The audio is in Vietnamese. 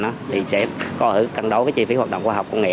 thì sẽ cân đối với chi phí hoạt động khoa học công nghệ